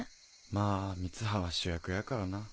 まぁ三葉は主役やからな。